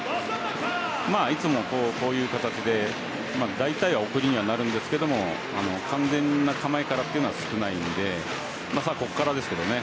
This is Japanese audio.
いつもこういう形でだいたいは送りにはなるんですけど完全な構えは少ないのでここからですけどね。